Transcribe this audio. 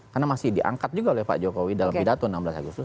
karena masih diangkat juga oleh pak jokowi dalam pidato enam belas agustus